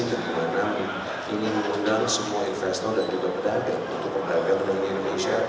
dan dimana ingin mengundang semua investor dan juga pedagang untuk berdagang dengan indonesia